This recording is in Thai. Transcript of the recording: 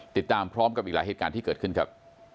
ติดตามพร้อมกับอีกหลายเหตุการณ์ที่เกิดขึ้นครับ